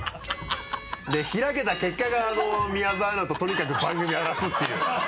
で開けた結果が宮澤アナととにかく番組やらすっていう。